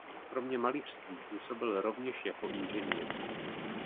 Kromě malířství působil rovněž jako inženýr.